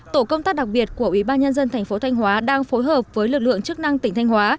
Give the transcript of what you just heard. tổ công tác đặc biệt của ubnd tp thanh hóa đang phối hợp với lực lượng chức năng tỉnh thanh hóa